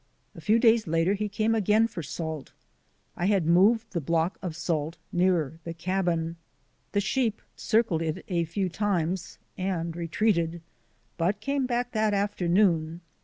A few days later he came again for salt. I had moved the block of salt nearer the cabin. The sheep circled it a few times and retreated, but came back that afternoon.